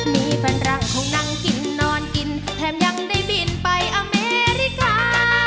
มีฝรั่งรังคงนั่งกินนอนกินแถมยังได้บินไปอเมริกา